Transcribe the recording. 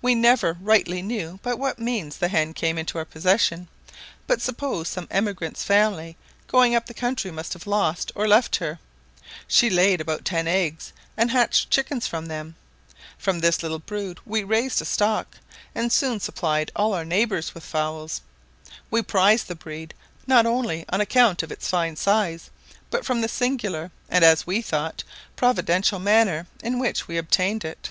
We never rightly knew by what means the hen came into our possession, but suppose some emigrant's family going up the country must have lost or left her; she laid ten eggs, and hatched chickens from them; from this little brood we raised a stock, and soon supplied all our neighbours with fowls. We prize the breed, not only on account of its fine size, but from the singular, and, as we thought, providential, manner in which we obtained it."